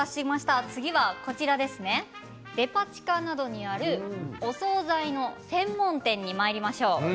お次はデパ地下などにあるお総菜の専門店にまいりましょう。